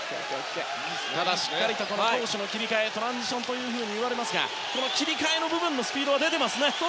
ただ、しっかりと攻守の切り替えトランジションといわれますが切り替えの部分のスピードは出てますね。